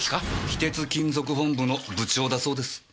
非鉄金属本部の部長だそうです。